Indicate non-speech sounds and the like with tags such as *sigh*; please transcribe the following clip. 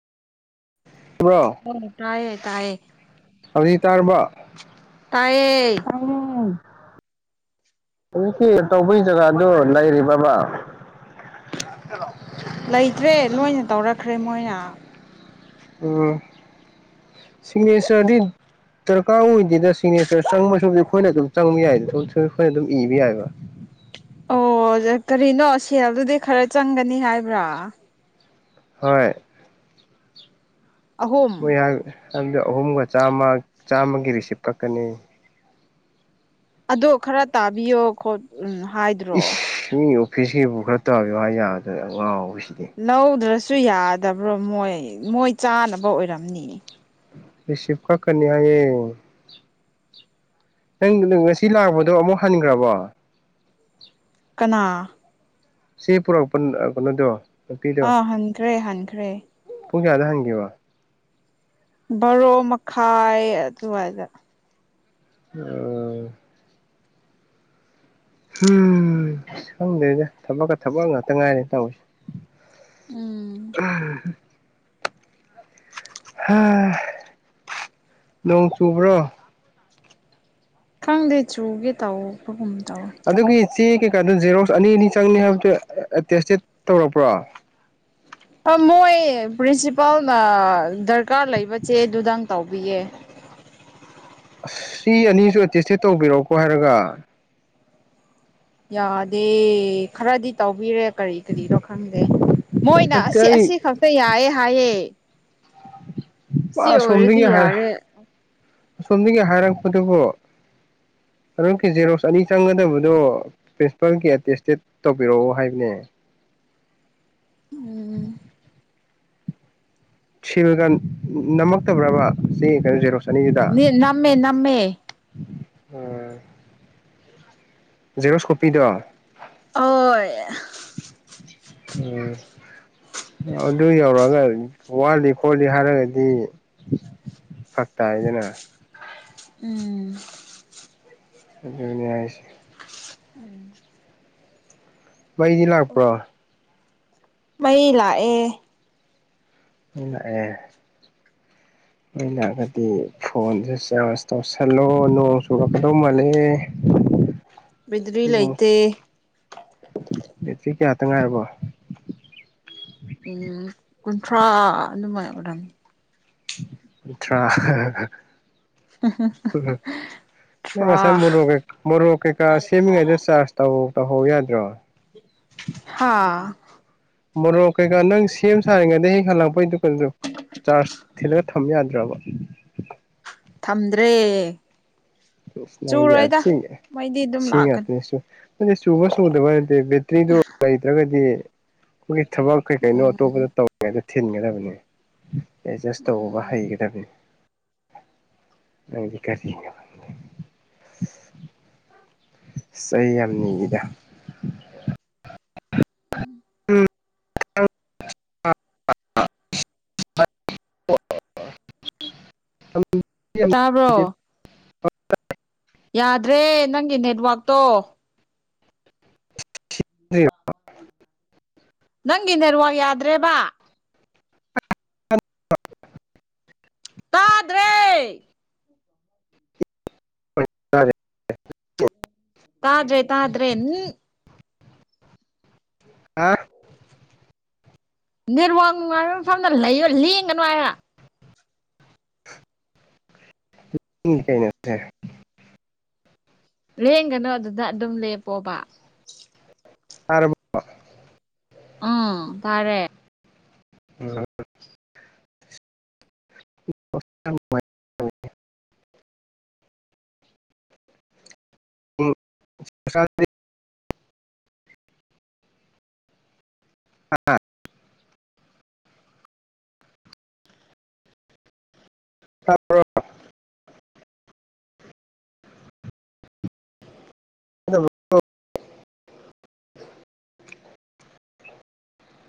bro ꯎꯝ ꯇꯥꯏꯌꯦ ꯇꯥꯏꯌꯦ ꯍꯧꯖꯤꯛ ꯇꯥꯔꯕꯣ ꯇꯥꯏꯌꯦ ꯎꯝ ꯍꯧꯖꯤꯛꯀꯤ ꯇꯧꯕꯩ ꯖꯒꯥꯗꯣ ꯂꯩꯔꯤꯕꯕꯥ ꯍꯜꯂꯣ ꯂꯩꯇ꯭ꯔꯦ ꯂꯣꯏꯅ ꯇꯧꯔꯛꯈ꯭ꯔꯦ ꯃꯣꯏꯅ ꯎꯝ ꯁꯤꯒꯅꯦꯆ‍꯭ꯔꯗꯤ ꯗ꯭ꯔꯀꯥꯔ ꯑꯣꯏꯗꯦꯗ ꯁꯤꯒꯅꯦꯆꯔ ꯆꯪꯕꯁꯤꯕꯨꯗꯤ ꯑꯩꯈꯣꯏꯅ ꯑꯗꯨꯝ ꯆꯪꯕ ꯌꯥꯏꯗ ꯑꯩꯈꯣꯏꯅ ꯑꯗꯨꯝ ꯏꯕ ꯌꯥꯏꯕ ꯑꯣ ꯀꯔꯤꯅꯣ ꯁꯦꯜꯗꯨꯗꯤ ꯈꯔ ꯆꯪꯒꯅꯤ ꯍꯥꯏꯕ꯭ꯔꯥ ꯍꯣꯏ ꯑꯍꯨꯝ ꯃꯣꯏꯔꯥꯡ ꯍꯥꯏꯕꯗꯤ ꯑꯍꯨꯝꯒ ꯆꯥꯝꯃ ꯆꯥꯝꯃꯒꯤ ꯔꯤꯁꯤꯞ ꯀꯛꯀꯅꯤ ꯑꯗꯣ ꯈꯔ ꯇꯥꯕꯤꯌꯣ ꯈꯣꯠ ꯎꯝ ꯍꯥꯏ ꯏꯁ ꯃꯤ ꯑꯣꯐꯤꯁꯀꯤꯕꯨ ꯈꯔ ꯇꯥꯕꯤꯌꯨ ꯍꯥꯏ ꯌꯥꯗꯣꯏꯔ ꯑꯉꯥꯎꯕꯁꯤꯗꯤ ꯂꯧꯗ꯭ꯔꯁꯨ ꯌꯥꯗꯕ꯭ꯔꯣ ꯃꯣꯏ ꯃꯣꯏ ꯆꯥꯅꯕ ꯑꯣꯏꯔꯝꯅꯤ ꯔꯤꯁꯤꯞ ꯀꯛꯀꯅꯤ ꯍꯥꯏꯌꯦ ꯅꯪꯒꯤꯗꯣ ꯉꯁꯤ ꯂꯥꯛꯄꯗꯣ ꯑꯃꯨꯛ ꯍꯟꯒ꯭ꯔꯕꯣ ꯀꯅꯥ ꯁꯤ ꯄꯨꯔꯛꯄ ꯀꯩꯅꯣꯗꯣ ꯑꯥ ꯍꯟꯈ꯭ꯔꯦ ꯍꯟꯈ꯭ꯔꯦ ꯄꯨꯡꯒꯌꯥꯗ ꯍꯪ ꯋꯥ ꯕꯥꯔꯣ ꯃꯈꯥꯏ ꯑꯗꯨꯋꯥꯏꯗ ꯑ ꯎꯝ ꯈꯪꯗꯦꯅꯦ ꯊꯕꯛꯀ ꯊꯕꯛ ꯉꯥꯛꯇ ꯉꯥꯏꯔꯦ ꯇꯧꯔꯤꯁꯦ ꯎꯝ *unintelligible* *inaudible* ꯍꯥ ꯅꯣꯡ ꯆꯨꯕ꯭ꯔꯣ ꯈꯪꯗꯦ ꯆꯨꯒꯦ ꯇꯧꯕꯧꯕꯒꯨꯝ ꯇꯧꯋꯦ ꯑꯗꯨꯒꯤ ꯆꯦ ꯀꯩꯀꯥꯗꯨꯣ ꯖꯦꯔꯣꯛꯁ ꯑꯅꯤ ꯑꯅꯤ ꯆꯪꯅꯤ ꯍꯥꯏꯕꯗꯨꯣ ꯇꯦꯁꯇꯦꯠ ꯇꯧꯔꯛꯄ꯭ꯔꯣ ꯃꯣꯏ ꯄ꯭ꯔꯤꯟꯁꯤꯄꯥꯜꯅ ꯗꯔꯀꯥꯔ ꯂꯩꯕꯁꯦ ꯑꯗꯨꯗꯪ ꯇꯧꯕꯤꯌꯦ ꯑꯁ ꯁꯤ ꯑꯅꯤꯁꯨ ꯑꯦꯇꯦꯁꯇꯦꯠ ꯇꯧꯕꯤꯔꯛꯎꯀꯣ ꯍꯥꯏꯔꯒ ꯌꯥꯗꯦ ꯈꯔꯗꯤ ꯇꯧꯕꯤꯔꯦ ꯀꯔꯤ ꯀꯔꯤꯅꯣ ꯈꯪꯗꯦ ꯃꯣꯏꯅ ꯅꯠꯇꯦ ꯑꯁꯤ ꯑꯩ ꯑꯁꯤ ꯈꯛꯇ ꯌꯥꯌꯦꯦ ꯍꯥꯏꯌꯦꯦ ꯃꯥ ꯑꯁꯣꯝꯗꯒꯤ ꯑꯣꯏꯔꯗꯤ ꯍꯥꯏꯔ ꯌꯥꯔꯦ ꯑꯁꯣꯝꯗꯒꯤ ꯍꯥꯏꯔꯛꯄꯗꯨꯕꯨ ꯑꯀꯤꯦ ꯖꯦꯔꯣꯛꯁ ꯑꯅꯤ ꯆꯪꯒꯗꯕꯗꯣ ꯄ꯭ꯔꯤꯟꯁꯤꯄꯥꯜꯒꯤ ꯑꯦꯇꯦꯁꯇꯦꯠ ꯇꯧꯕꯤꯔꯛꯎ ꯍꯥꯏꯕꯅꯦ ꯎꯝ ꯁꯤꯜꯒ ꯅꯝꯃꯛꯇꯕ꯭ꯔꯕ ꯁꯤ ꯀꯩꯅꯣꯁꯤꯔꯣ ꯅꯃꯦ ꯅꯃꯦ ꯎ ꯖꯦꯔꯣꯁꯀꯣꯄꯤꯗꯣ ꯑꯣ ꯎꯝ ꯑꯗꯨ ꯌꯧꯔꯛꯑꯒ ꯋꯥꯠꯂꯤ ꯈꯣꯠꯂꯤ ꯍꯥꯏꯔꯒꯗꯤ ꯐꯛꯇ ꯍꯥꯏꯗꯅ ꯎꯝ ꯑꯗꯨꯅꯤ ꯍꯥꯏꯁꯦ ꯎꯝ ꯃꯩꯗꯤ ꯂꯥꯛꯄ꯭ꯔꯣ ꯃꯩ ꯂꯥꯛꯑꯦ ꯎ ꯑꯦ ꯅꯣꯏ ꯂꯥꯛꯑꯒꯗꯤ ꯐꯣꯟꯁꯦ ꯆꯥꯔꯖ ꯇꯧꯁꯜꯂꯣꯅꯨ ꯆꯗꯣ ꯃꯅꯦ ꯕꯦꯇ꯭ꯔꯤ ꯂꯩꯇꯦ ꯑꯦꯠꯇ ꯀꯌꯥꯇ ꯉꯥꯏꯔꯔꯕꯣ ꯎꯝ ꯀꯨꯟꯊ꯭ꯔꯥ ꯑꯗꯨꯃꯥꯏꯅ ꯑꯣꯏꯔꯝꯃꯤ ꯑꯥ ꯁꯥꯏ ꯊ꯭ꯔꯥ ꯃ ꯃꯔꯣ ꯀꯩꯀ ꯁꯦꯃꯤ ꯉꯥꯏꯗꯁ ꯇꯧ ꯇꯧꯍꯧ ꯌꯥꯗ꯭ꯔꯣ ꯍꯥꯥ ꯃꯣꯔꯣꯛ ꯀꯩꯀꯥ ꯅꯪ ꯁꯦꯝ ꯁꯥꯔꯤꯉꯩꯗ ꯍꯦꯛ ꯍꯂꯛꯄꯩꯗꯨꯀ ꯆꯥꯔꯖ ꯊꯤ ꯊꯝ ꯌꯥꯗ꯭ꯔꯕ ꯊꯝꯗ꯭ꯔꯦ ꯁꯕꯤꯌꯥ ꯆꯨꯔꯣꯏꯗ ꯃꯩꯗꯤ ꯑꯗꯨꯝ ꯁꯤ ꯂꯥꯛꯀꯅꯤ ꯉꯥꯛꯇꯅꯦꯁꯨ ꯑꯗꯨ ꯁꯨꯕ ꯁꯨꯗꯕ ꯍꯥꯏꯗꯤ ꯕꯦꯠꯇ꯭ꯔꯤꯗꯨ ꯅꯠꯇ꯭ꯔꯒꯗꯤ ꯑꯩꯈꯣꯏꯒꯤ ꯊꯕꯛ ꯀꯩ ꯀꯩꯅꯣ ꯎꯝ ꯑꯇꯣꯞꯄꯗ ꯇꯧꯔꯤꯉꯩꯗ ꯊꯤꯟꯒꯗꯕꯅꯦ ꯑꯦꯠꯖꯥꯁꯇꯧꯕ ꯎꯝ ꯍꯥꯏꯒꯗꯕꯤ ꯅꯒꯤ ꯀ *inaudible* *inaudible* ꯁ ꯑꯩ ꯌꯥꯝ ꯅꯤꯉꯤꯗ ꯎꯝ ꯎꯝ ꯑ *inaudible* *inaudible* ꯇꯥꯕ꯭ꯔꯣ *inaudible* ꯌꯥꯗ꯭ꯔꯦ ꯅꯪꯒꯤ ꯅꯦꯠꯋꯥꯛꯛꯇꯣ *inaudible* ꯅꯪꯒꯤ ꯅꯦꯔꯋꯥꯛ ꯌꯥꯗ꯭ꯔꯦꯕ ꯇꯥꯗ꯭ꯔꯦ ꯌꯥꯌꯦ ꯇꯥꯗ꯭ꯔꯦ ꯇꯥꯗ꯭ꯔꯦ ꯅ ꯍꯥꯥ ꯅꯦꯔꯋꯥꯡ ꯅꯨꯡꯉꯥꯏꯕ ꯃꯐꯝꯗ ꯂꯩꯌ ꯂꯦꯡꯒꯅꯨ ꯍꯥꯏꯔ ꯏ ꯀꯩꯅꯁꯦ ꯂꯦꯡꯒꯅꯨ ꯑꯗꯨꯗ ꯑꯗꯨꯝ ꯂꯦꯄꯣꯕ ꯑꯕ ꯑꯣ ꯇꯔꯦ ꯎꯝ ꯎꯝ ꯑꯥ ꯍ